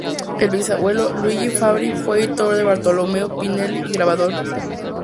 El bisabuelo, Luigi Fabri fue editor de Bartolomeo Pinelli y grabador.